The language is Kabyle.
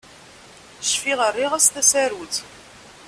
Cfiɣ rriɣ -as tasarut